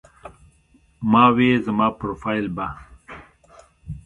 ما وې زما پروفائيل به